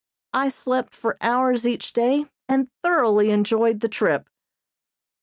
I slept for hours each day and thoroughly enjoyed the trip.